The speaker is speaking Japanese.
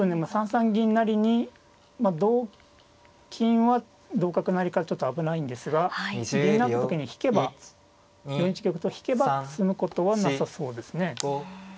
３三銀成に同金は同角成からちょっと危ないんですが銀成った時に引けば４一玉と引けば詰むことはなさそうですね。